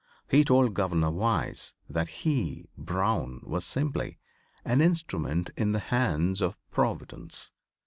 He told Governor Wise that he, Brown, was simply "An instrument in the hands of Providence."